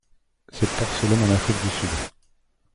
Cette porcelaine en Afrique du Sud.